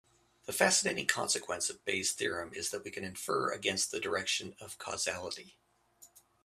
The fascinating consequence of Bayes' theorem is that we can infer against the direction of causality.